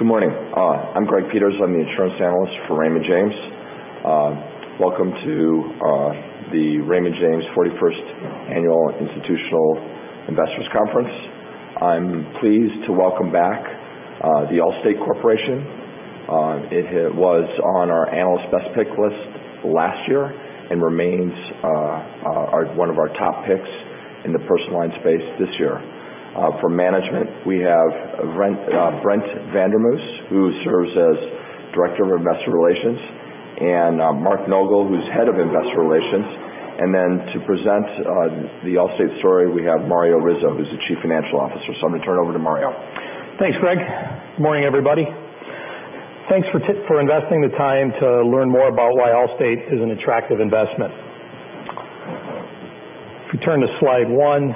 Good morning. I'm Greg Peters. I'm the insurance analyst for Raymond James. Welcome to the Raymond James 41st Annual Institutional Investors Conference. I'm pleased to welcome back The Allstate Corporation. It was on our Analyst Best Pick List last year and remains one of our top picks in the personal line space this year. For management, we have Brent Vandermause, who serves as Director of Investor Relations, and Mark Nogal, who's Head of Investor Relations. To present the Allstate story, we have Mario Rizzo, who's the Chief Financial Officer. I'm going to turn it over to Mario. Thanks, Greg. Good morning, everybody. Thanks for investing the time to learn more about why Allstate is an attractive investment. If you turn to slide one,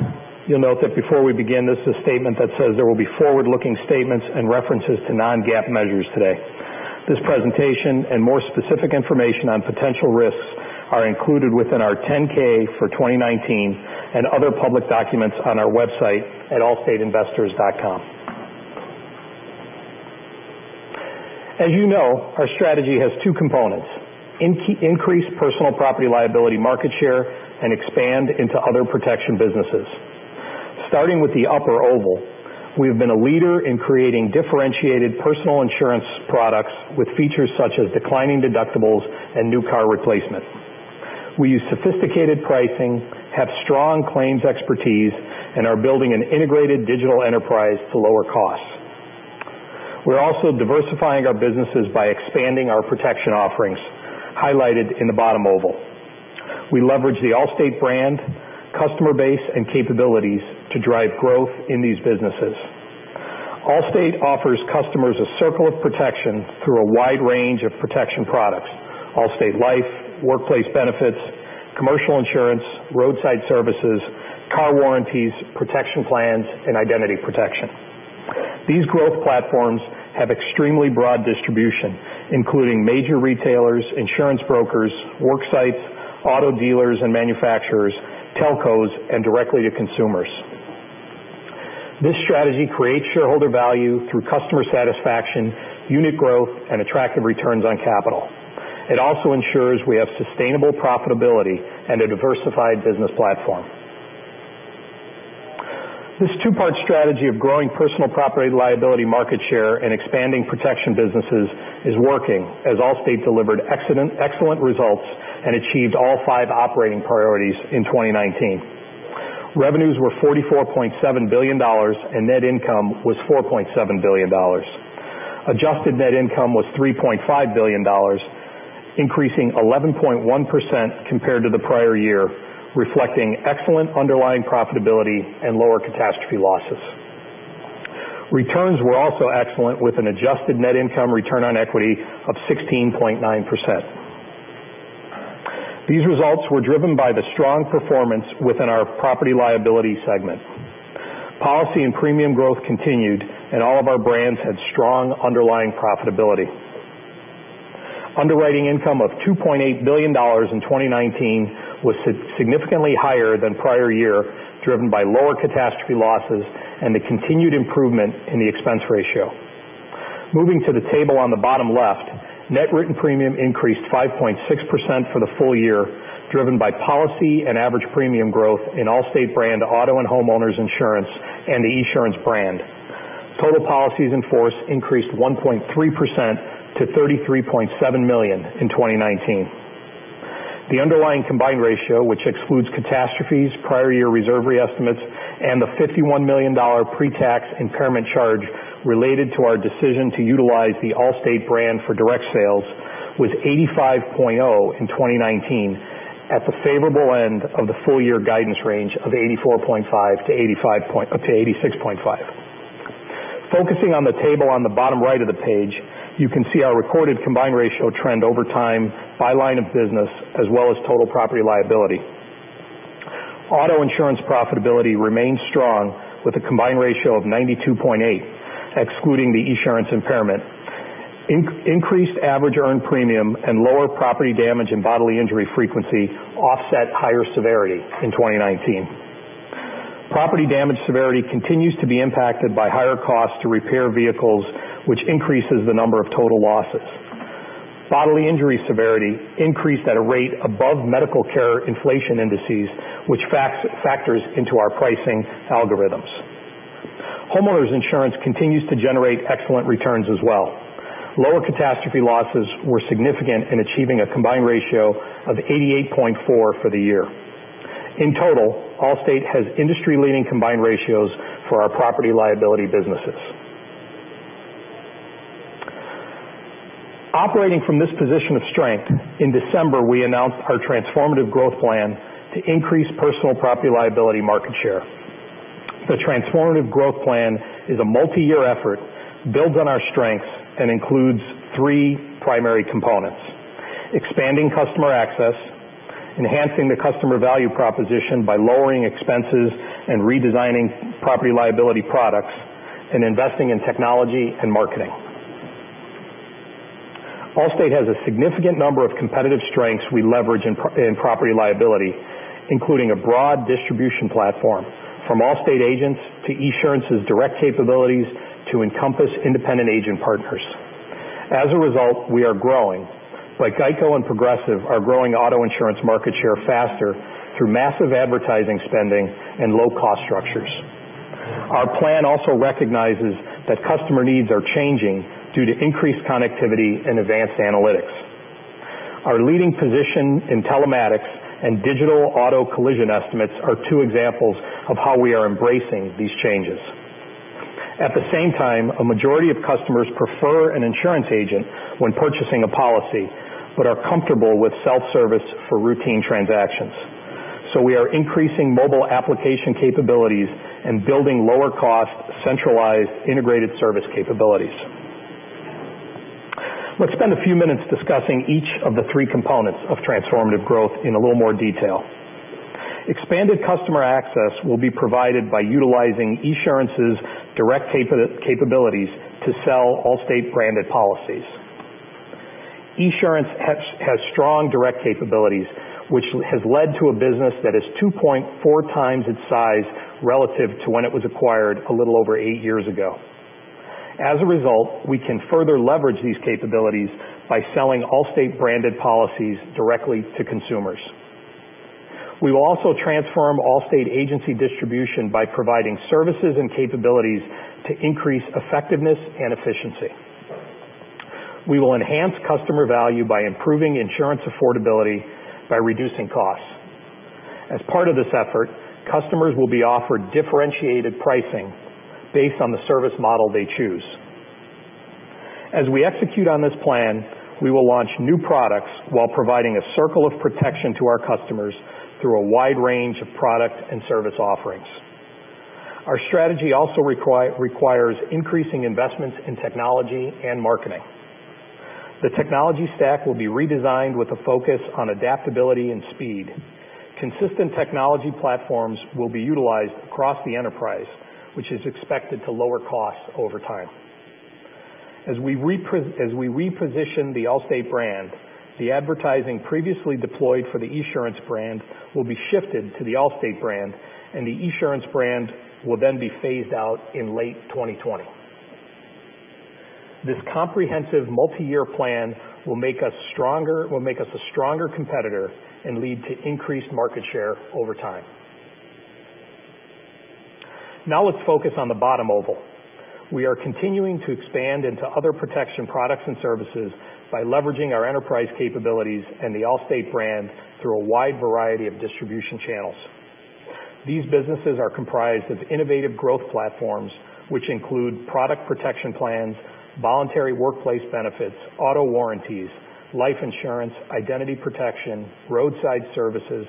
you'll note that before we begin, this is a statement that says there will be forward-looking statements and references to non-GAAP measures today. This presentation and more specific information on potential risks are included within our 10-K for 2019 and other public documents on our website at allstateinvestors.com. As you know, our strategy has two components, increase personal property-liability market share and expand into other protection businesses. Starting with the upper oval, we have been a leader in creating differentiated personal insurance products with features such as declining deductibles and new car replacement. We use sophisticated pricing, have strong claims expertise, and are building an integrated digital enterprise to lower costs. We're also diversifying our businesses by expanding our protection offerings, highlighted in the bottom oval. We leverage the Allstate brand, customer base, and capabilities to drive growth in these businesses. Allstate offers customers a circle of protection through a wide range of protection products, Allstate Life, workplace benefits, commercial insurance, roadside services, car warranties, Protection Plans, and Identity Protection. These growth platforms have extremely broad distribution, including major retailers, insurance brokers, work sites, auto dealers and manufacturers, telcos, and directly to consumers. This strategy creates shareholder value through customer satisfaction, unit growth, and attractive returns on capital. It also ensures we have sustainable profitability and a diversified business platform. This two-part strategy of growing personal property-liability market share and expanding protection businesses is working as Allstate delivered excellent results and achieved all five operating priorities in 2019. Revenues were $44.7 billion, and net income was $4.7 billion. Adjusted net income was $3.5 billion, increasing 11.1% compared to the prior year, reflecting excellent underlying profitability and lower catastrophe losses. Returns were also excellent with an adjusted net income return on equity of 16.9%. These results were driven by the strong performance within our property-liability segment. Policy and premium growth continued, and all of our brands had strong underlying profitability. Underwriting income of $2.8 billion in 2019 was significantly higher than prior year, driven by lower catastrophe losses and the continued improvement in the expense ratio. Moving to the table on the bottom left, net written premium increased 5.6% for the full year, driven by policy and average premium growth in Allstate brand auto and homeowners insurance and the Esurance brand. Total policies in force increased 1.3% to 33.7 million in 2019. The underlying combined ratio, which excludes catastrophes, prior year reserve re-estimates, and the $51 million pre-tax impairment charge related to our decision to utilize the Allstate brand for direct sales, was 85.0 in 2019 at the favorable end of the full-year guidance range of 84.5%-86.5%. Focusing on the table on the bottom right of the page, you can see our recorded combined ratio trend over time by line of business as well as total property liability. Auto insurance profitability remains strong with a combined ratio of 92.8, excluding the Esurance impairment. Increased average earned premium and lower property damage and bodily injury frequency offset higher severity in 2019. Property damage severity continues to be impacted by higher costs to repair vehicles, which increases the number of total losses. Bodily injury severity increased at a rate above medical care inflation indices, which factors into our pricing algorithms. Homeowners insurance continues to generate excellent returns as well. Lower catastrophe losses were significant in achieving a combined ratio of 88.4 for the year. In total, Allstate has industry-leading combined ratios for our property liability businesses. Operating from this position of strength, in December, we announced our Transformative Growth Plan to increase personal property-liability market share. The Transformative Growth Plan is a multi-year effort, builds on our strengths, and includes three primary components: expanding customer access, enhancing the customer value proposition by lowering expenses and redesigning property liability products, and investing in technology and marketing. Allstate has a significant number of competitive strengths we leverage in property liability, including a broad distribution platform from Allstate agents to Esurance's direct capabilities to Encompass independent agent partners. As a result, we are growing, but GEICO and Progressive are growing auto insurance market share faster through massive advertising spending and low-cost structures. Our plan also recognizes that customer needs are changing due to increased connectivity and advanced analytics. Our leading position in telematics and digital auto collision estimates are two examples of how we are embracing these changes. At the same time, a majority of customers prefer an insurance agent when purchasing a policy but are comfortable with self-service for routine transactions. We are increasing mobile application capabilities and building lower cost, centralized, integrated service capabilities. Let's spend a few minutes discussing each of the three components of Transformative Growth in a little more detail. Expanded customer access will be provided by utilizing Esurance's direct capabilities to sell Allstate branded policies. Esurance has strong direct capabilities, which has led to a business that is 2.4 times its size relative to when it was acquired a little over eight years ago. As a result, we can further leverage these capabilities by selling Allstate branded policies directly to consumers. We will also transform Allstate agency distribution by providing services and capabilities to increase effectiveness and efficiency. We will enhance customer value by improving insurance affordability by reducing costs. As part of this effort, customers will be offered differentiated pricing based on the service model they choose. As we execute on this plan, we will launch new products while providing a circle of protection to our customers through a wide range of product and service offerings. Our strategy also requires increasing investments in technology and marketing. The technology stack will be redesigned with a focus on adaptability and speed. Consistent technology platforms will be utilized across the enterprise, which is expected to lower costs over time. As we reposition the Allstate brand, the advertising previously deployed for the Esurance brand will be shifted to the Allstate brand, and the Esurance brand will then be phased out in late 2020. This comprehensive multi-year plan will make us a stronger competitor and lead to increased market share over time. Now let's focus on the bottom oval. We are continuing to expand into other protection products and services by leveraging our enterprise capabilities and the Allstate brand through a wide variety of distribution channels. These businesses are comprised of innovative growth platforms, which include Allstate Protection Plans, voluntary workplace benefits, auto warranties, Allstate Life Insurance, Allstate Identity Protection, roadside services,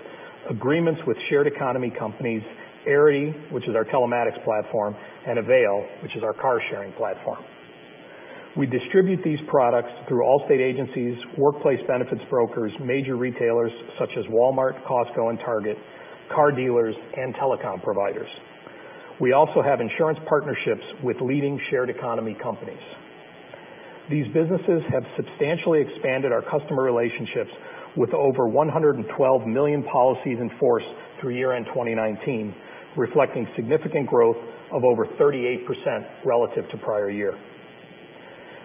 agreements with shared economy companies, Arity, which is our telematics platform, and Avail, which is our car sharing platform. We distribute these products through Allstate agencies, workplace benefits brokers, major retailers such as Walmart, Costco, and Target, car dealers, and telecom providers. We also have insurance partnerships with leading shared economy companies. These businesses have substantially expanded our customer relationships with over 112 million policies in force through year-end 2019, reflecting significant growth of over 38% relative to prior year.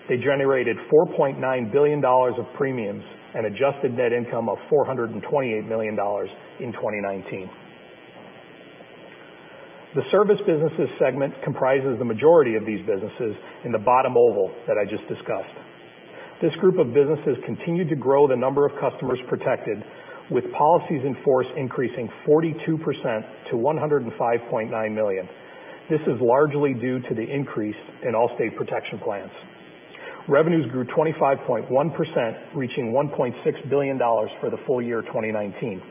They generated $4.9 billion of premiums and adjusted net income of $428 million in 2019. The service businesses segment comprises the majority of these businesses in the bottom oval that I just discussed. This group of businesses continued to grow the number of customers protected, with policies in force increasing 42% to 105.9 million. This is largely due to the increase in Allstate Protection Plans. Revenues grew 25.1%, reaching $1.6 billion for the full year 2019.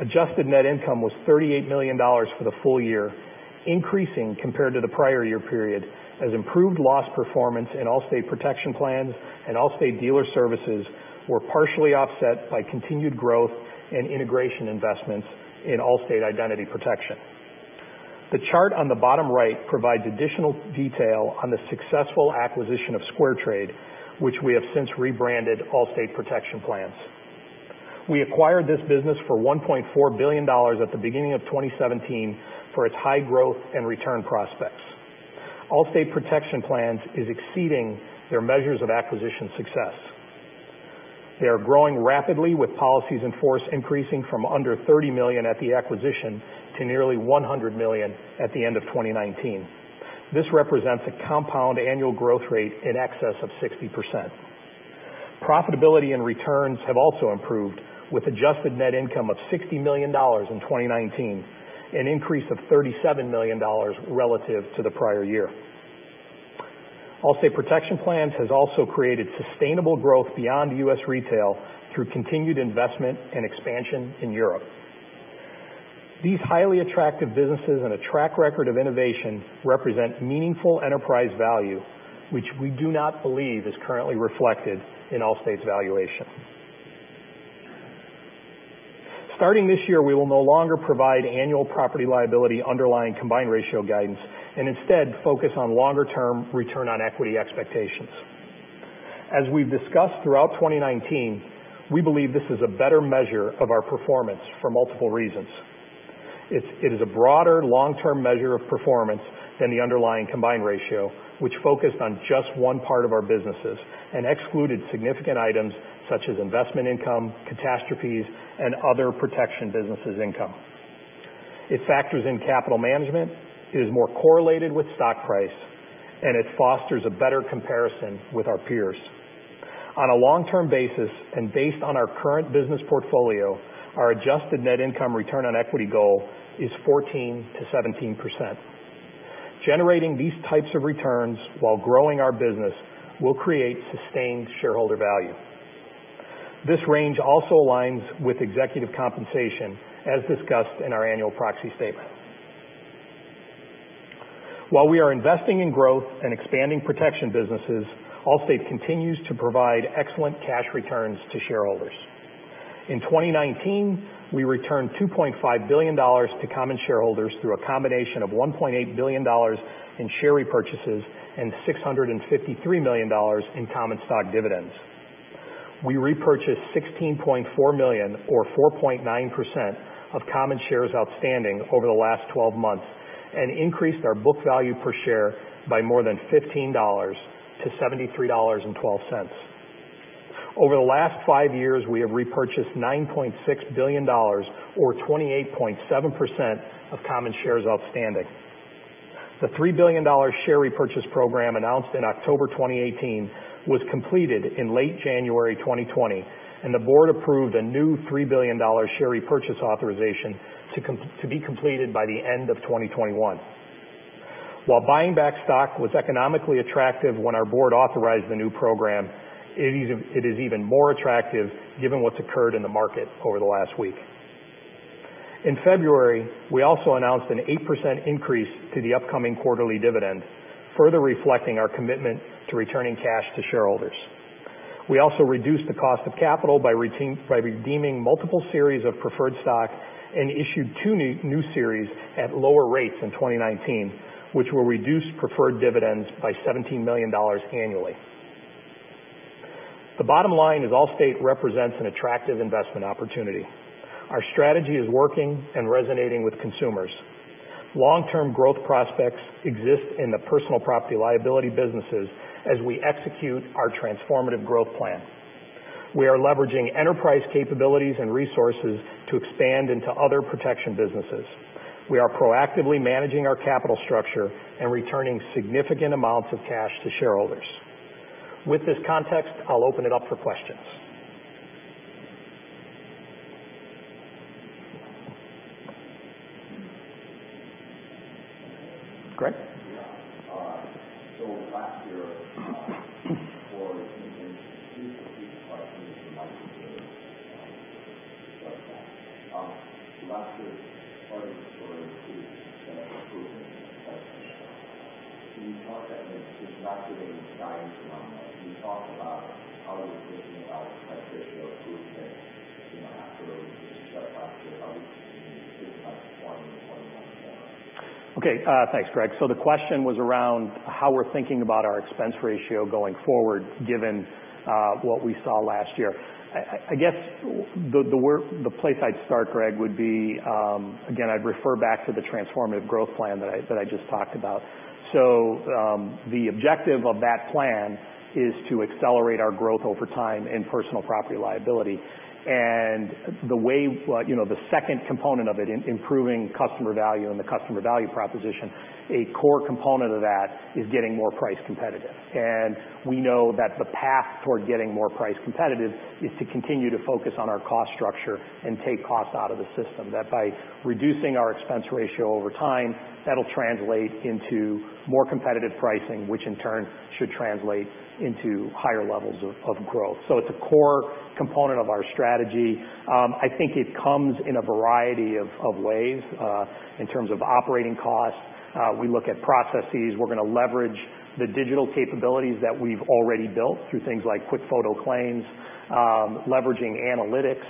Adjusted net income was $38 million for the full year, increasing compared to the prior year period as improved loss performance in Allstate Protection Plans and Allstate Dealer Services were partially offset by continued growth in integration investments in Allstate Identity Protection. The chart on the bottom right provides additional detail on the successful acquisition of SquareTrade, which we have since rebranded Allstate Protection Plans. We acquired this business for $1.4 billion at the beginning of 2017 for its high growth and return prospects. Allstate Protection Plans is exceeding their measures of acquisition success. They are growing rapidly with policies in force increasing from under 30 million at the acquisition to nearly 100 million at the end of 2019. This represents a compound annual growth rate in excess of 60%. Profitability and returns have also improved with adjusted net income of $60 million in 2019, an increase of $37 million relative to the prior year. Allstate Protection Plans has also created sustainable growth beyond U.S. retail through continued investment and expansion in Europe. These highly attractive businesses and a track record of innovation represent meaningful enterprise value, which we do not believe is currently reflected in Allstate's valuation. Starting this year, we will no longer provide annual property liability underlying combined ratio guidance and instead focus on longer-term return on equity expectations. As we've discussed throughout 2019, we believe this is a better measure of our performance for multiple reasons. It is a broader long-term measure of performance than the underlying combined ratio, which focused on just one part of our businesses and excluded significant items such as investment income, catastrophes, and other protection businesses income. It factors in capital management, it is more correlated with stock price, and it fosters a better comparison with our peers. On a long-term basis, and based on our current business portfolio, our adjusted net income return on equity goal is 14%-17%. Generating these types of returns while growing our business will create sustained shareholder value. This range also aligns with executive compensation, as discussed in our annual proxy statement. While we are investing in growth and expanding protection businesses, Allstate continues to provide excellent cash returns to shareholders. In 2019, we returned $2.5 billion to common shareholders through a combination of $1.8 billion in share repurchases and $653 million in common stock dividends. We repurchased 16.4 million, or 4.9%, of common shares outstanding over the last 12 months and increased our book value per share by more than $15 to $73.12. Over the last five years, we have repurchased $9.6 billion or 28.7% of common shares outstanding. The $3 billion share repurchase program announced in October 2018 was completed in late January 2020, and the board approved a new $3 billion share repurchase authorization to be completed by the end of 2021. While buying back stock was economically attractive when our board authorized the new program, it is even more attractive given what's occurred in the market over the last week. In February, we also announced an 8% increase to the upcoming quarterly dividend, further reflecting our commitment to returning cash to shareholders. We also reduced the cost of capital by redeeming multiple series of preferred stock and issued two new series at lower rates in 2019, which will reduce preferred dividends by $17 million annually. The bottom line is Allstate represents an attractive investment opportunity. Our strategy is working and resonating with consumers. Long-term growth prospects exist in the personal property liability businesses as we execute our transformative growth plan. We are leveraging enterprise capabilities and resources to expand into other protection businesses. We are proactively managing our capital structure and returning significant amounts of cash to shareholders. With this context, I'll open it up for questions. Greg? Yeah. Last year, for last year's part of the story is the improvement in expense ratio. Can you talk, I mean, since last year when you guided around that, can you talk about how you're thinking about expense ratio improvement after what you just said about last year? Are we thinking about 20 in 2021 more? Thanks, Greg. The question was around how we're thinking about our expense ratio going forward given what we saw last year. I guess, the place I'd start, Greg, would be, again, I'd refer back to the Transformative Growth Plan that I just talked about. The objective of that plan is to accelerate our growth over time in personal property liability. The second component of it, improving customer value and the customer value proposition, a core component of that is getting more price competitive. We know that the path toward getting more price competitive is to continue to focus on our cost structure and take costs out of the system. That by reducing our expense ratio over time, that'll translate into more competitive pricing, which in turn should translate into higher levels of growth. It's a core component of our strategy. I think it comes in a variety of ways, in terms of operating costs. We look at processes. We're going to leverage the digital capabilities that we've already built through things like QuickFoto Claim, leveraging analytics,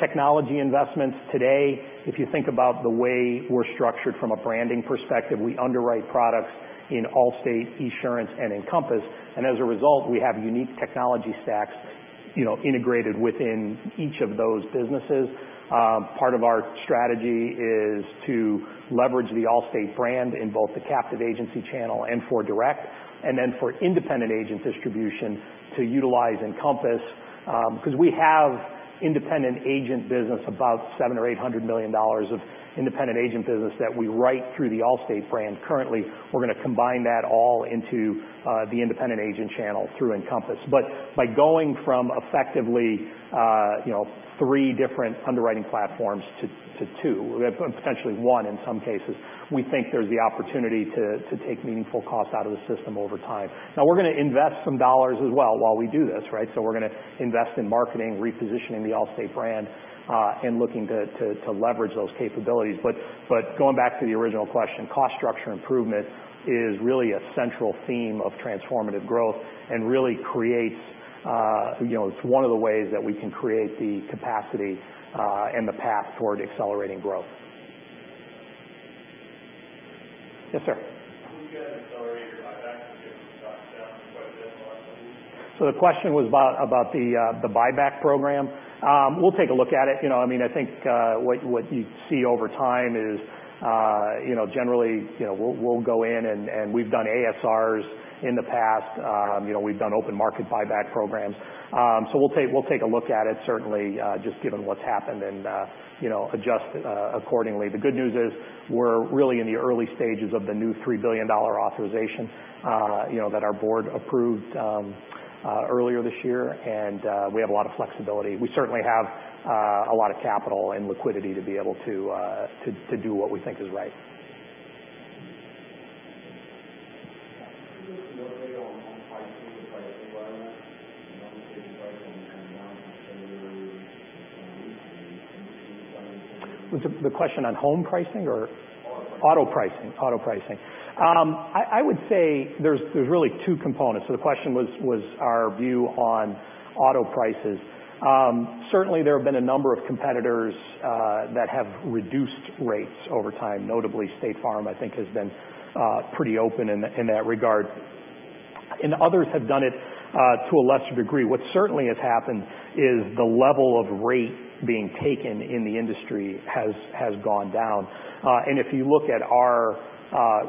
technology investments. Today, if you think about the way we're structured from a branding perspective, we underwrite products in Allstate, Esurance, and Encompass, and as a result, we have unique technology stacks integrated within each of those businesses. Part of our strategy is to leverage the Allstate brand in both the captive agency channel and for direct, and then for independent agent distribution to utilize Encompass, because we have independent agent business, about $700 million or $800 million of independent agent business that we write through the Allstate brand currently. We're going to combine that all into the independent agent channel through Encompass. By going from effectively three different underwriting platforms to two, potentially one in some cases, we think there's the opportunity to take meaningful cost out of the system over time. Now, we're going to invest some dollars as well while we do this, right? We're going to invest in marketing, repositioning the Allstate brand, and looking to leverage those capabilities. Going back to the original question, cost structure improvement is really a central theme of Transformative Growth and really creates one of the ways that we can create the capacity, and the path toward accelerating growth. Yes, sir. Will you guys accelerate your buyback given the stock's down quite a bit in the last few weeks? The question was about the buyback program. We'll take a look at it. I think what you see over time is, generally, we'll go in, and we've done ASRs in the past. We've done open market buyback programs. We'll take a look at it certainly, just given what's happened, and adjust accordingly. The good news is we're really in the early stages of the new $3 billion authorization that our board approved earlier this year, and we have a lot of flexibility. We certainly have a lot of capital and liquidity to be able to do what we think is right. Can you give us an update on home pricing, the pricing environment? I know home pricing has been down for several weeks. Any signs of- Was the question on home pricing or- Auto pricing. Auto pricing. Auto pricing. I would say there's really two components. The question was our view on auto prices. Certainly, there have been a number of competitors that have reduced rates over time. Notably, State Farm, I think, has been pretty open in that regard, and others have done it to a lesser degree. What certainly has happened is the level of rate being taken in the industry has gone down. If you look at our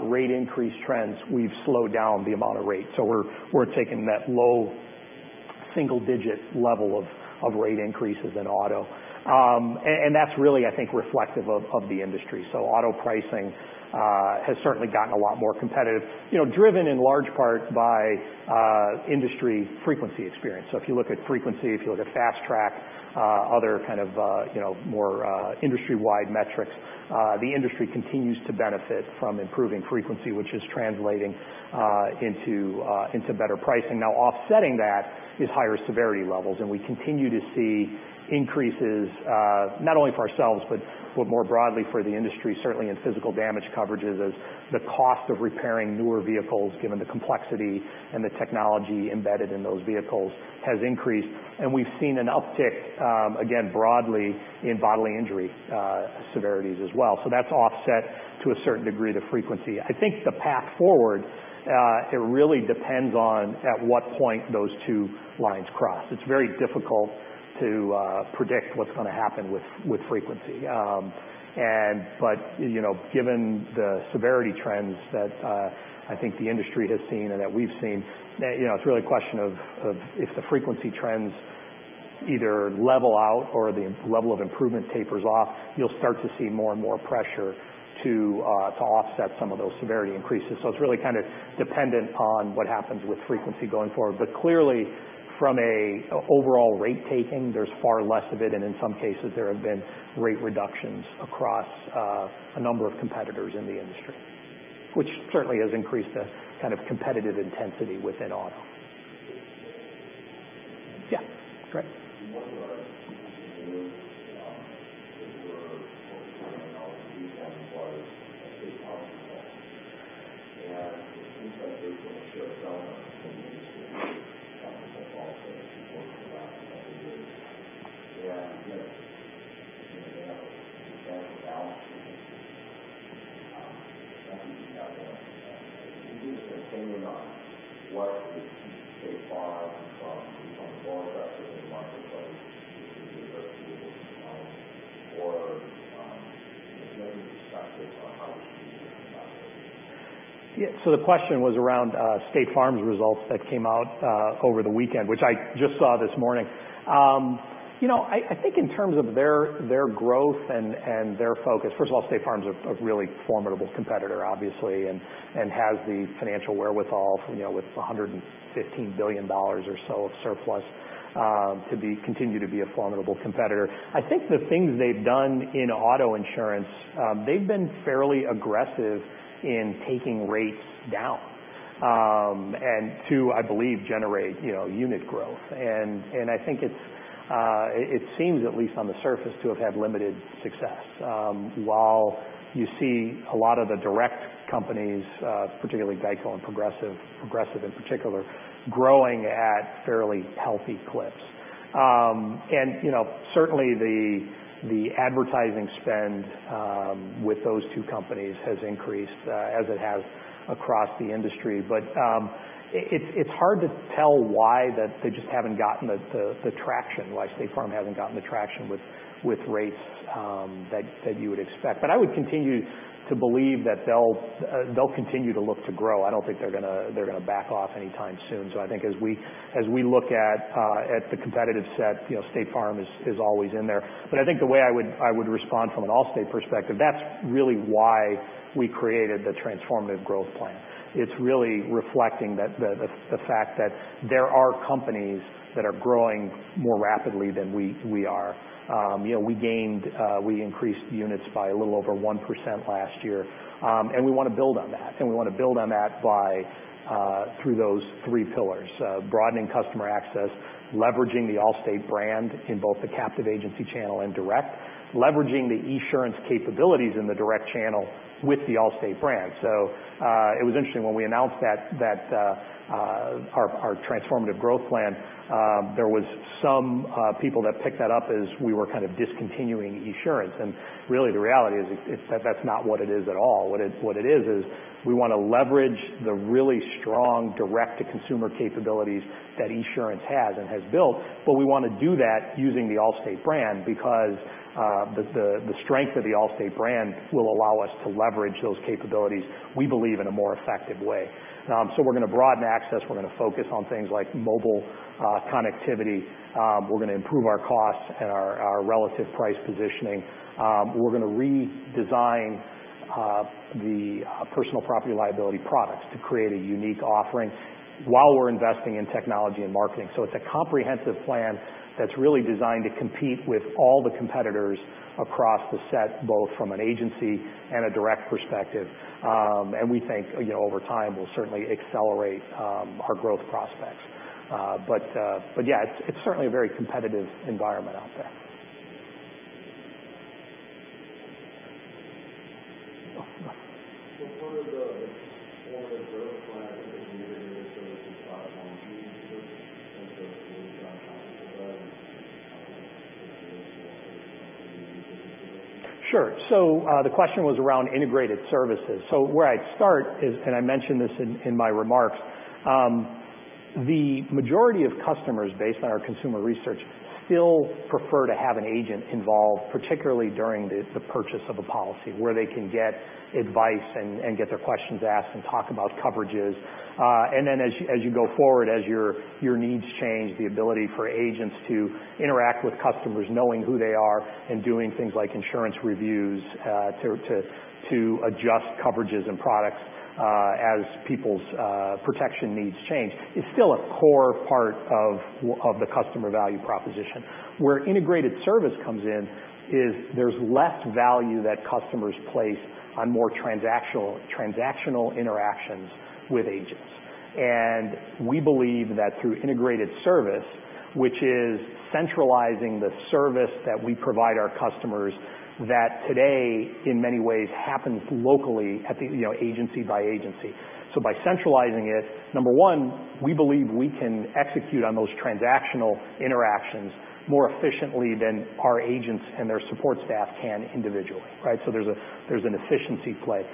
rate increase trends, we've slowed down the amount of rate. We're taking that low single-digit level of rate increases in auto. That's really, I think, reflective of the industry. Auto pricing has certainly gotten a lot more competitive, driven in large part by industry frequency experience. If you look at frequency, if you look at Fast Track, other more industry-wide metrics, the industry continues to benefit from improving frequency, which is translating into better pricing. Now offsetting that is higher severity levels, and we continue to see increases, not only for ourselves, but more broadly for the industry, certainly in physical damage coverages as the cost of repairing newer vehicles, given the complexity and the technology embedded in those vehicles, has increased. We've seen an uptick, again, broadly in bodily injury severities as well. That's offset, to a certain degree, the frequency. I think the path forward, it really depends on at what point those two lines cross. It's very difficult to predict what's going to happen with frequency. Given the severity trends that I think the industry has seen and that we've seen, it's really a question of if the frequency trends either level out or the level of improvement tapers off, you'll start to see more and more pressure to offset some of those severity increases. It's really dependent on what happens with frequency going forward. Clearly, from an overall rate taking, there's far less of it, and in some cases, there have been rate reductions across a number of competitors in the industry, which certainly has increased the competitive intensity within auto. Yeah, go ahead. State Farm results for the last couple years. As an analyst, when you try to balance sheets, it's something you have to understand. Can you give us your opinion on what is keeping State Farm from becoming more aggressive in the marketplace with regards to able to promote? If you have any perspective on how we should be thinking about those results. The question was around State Farm's results that came out over the weekend, which I just saw this morning. In terms of their growth and their focus, first of all, State Farm is a really formidable competitor, obviously, and has the financial wherewithal, with $115 billion or so of surplus, to continue to be a formidable competitor. The things they've done in auto insurance, they've been fairly aggressive in taking rates down, to generate unit growth. It seems, at least on the surface, to have had limited success. While you see a lot of the direct companies, particularly GEICO and Progressive in particular, growing at fairly healthy clips. Certainly, the advertising spend with those two companies has increased as it has across the industry. It is hard to tell why they just haven't gotten the traction, why State Farm hasn't gotten the traction with rates that you would expect. I would continue to believe that they'll continue to look to grow. I don't think they're going to back off anytime soon. As we look at the competitive set, State Farm is always in there. The way I would respond from an Allstate perspective, that's really why we created the Transformative Growth Plan. It is really reflecting the fact that there are companies that are growing more rapidly than we are. We increased units by a little over 1% last year, we want to build on that. We want to build on that through those three pillars, broadening customer access, leveraging the Allstate brand in both the captive agency channel and direct, leveraging the Esurance capabilities in the direct channel with the Allstate brand. It was interesting when we announced our Transformative Growth Plan, there was some people that picked that up as we were discontinuing Esurance, the reality is that's not what it is at all. What it is is we want to leverage the really strong direct-to-consumer capabilities that Esurance has and has built, we want to do that using the Allstate brand because the strength of the Allstate brand will allow us to leverage those capabilities in a more effective way. We're going to broaden access. We're going to focus on things like mobile connectivity. We're going to improve our costs and our relative price positioning. We're going to redesign the personal property liability products to create a unique offering while we're investing in technology and marketing. It is a comprehensive plan that's really designed to compete with all the competitors across the set, both from an agency and a direct perspective. We think over time, we'll certainly accelerate our growth prospects. It is certainly a very competitive environment out there. Part of the forward growth plan, I think it's integrated services platform piece of it. Can you talk a little bit about how that relates to operations and maybe new business development? Sure. The question was around integrated services. Where I'd start is, and I mentioned this in my remarks, the majority of customers, based on our consumer research, still prefer to have an agent involved, particularly during the purchase of a policy where they can get advice and get their questions asked and talk about coverages. Then as you go forward, as your needs change, the ability for agents to interact with customers knowing who they are and doing things like insurance reviews, to adjust coverages and products as people's protection needs change is still a core part of the customer value proposition. Where integrated service comes in is there's less value that customers place on more transactional interactions with agents. We believe that through integrated service, which is centralizing the service that we provide our customers, that today, in many ways, happens locally agency by agency. By centralizing it, number one, we believe we can execute on those transactional interactions more efficiently than our agents and their support staff can individually. There's an efficiency play.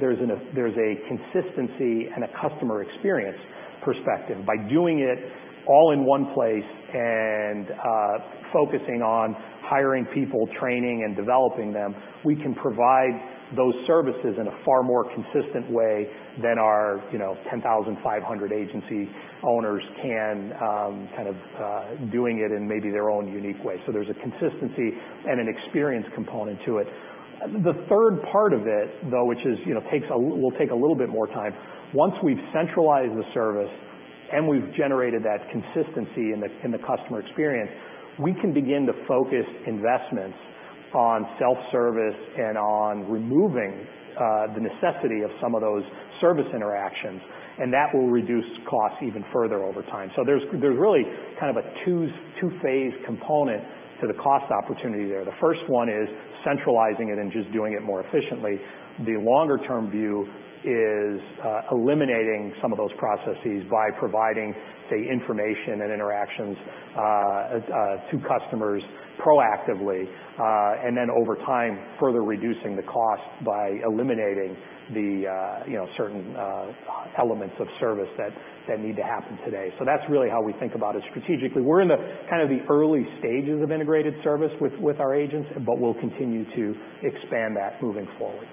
There's a consistency and a customer experience perspective. By doing it all in one place and focusing on hiring people, training, and developing them, we can provide those services in a far more consistent way than our 10,500 agency owners can, doing it in maybe their own unique way. There's a consistency and an experience component to it. The third part of it, though, which will take a little bit more time. Once we've centralized the service and we've generated that consistency in the customer experience, we can begin to focus investments on self-service and on removing the necessity of some of those service interactions, that will reduce costs even further over time. There's really a 2-phase component to the cost opportunity there. The first one is centralizing it and just doing it more efficiently. The longer-term view is eliminating some of those processes by providing, say, information and interactions to customers proactively. Over time, further reducing the cost by eliminating the certain elements of service that need to happen today. That's really how we think about it strategically. We're in the early stages of integrated service with our agents, we'll continue to expand that moving forward.